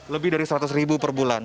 lebih dari seratus ribu per bulan